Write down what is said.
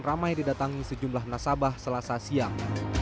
ramai didatangi sejumlah nasabah selasa siang